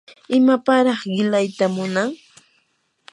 ¿imapaqraa qilayta munan?